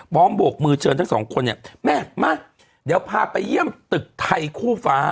โบกมือเชิญทั้งสองคนเนี่ยแม่มาเดี๋ยวพาไปเยี่ยมตึกไทยคู่ฟ้า